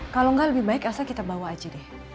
kalau nggak lebih baik asal kita bawa aja deh